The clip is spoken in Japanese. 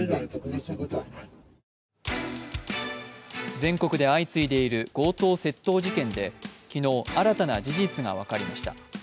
全国で相次いでいる強盗・窃盗事件で昨日、新たな事実が分かりました。